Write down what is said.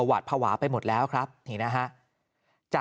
หวาดภาวะไปหมดแล้วครับนี่นะฮะ